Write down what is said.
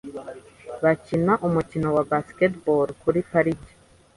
Bakina umukino wa baseball kuri parike .